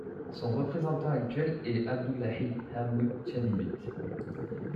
Son représentant actuel est Abdulahi Hamu Genbite.